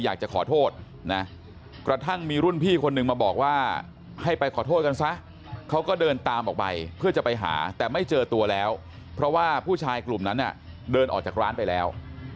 อยากจะขอโทษนะกระทั่งมีรุ่นพี่คนนึงมาบอกว่าให้ไปขอโทษกันซะเขาก็เดินตามออกไปเพื่อจะไปหาแต่ไม่เจอตัวแล้วเพราะว่าผู้ชายกลุ่มนั้นเดินออกจากร้านไปแล้ว